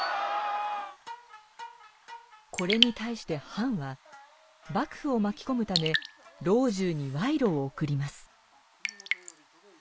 これに対して藩は幕府を巻き込むため老中にワイロを贈ります。